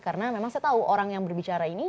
karena memang saya tahu orang yang berbicara ini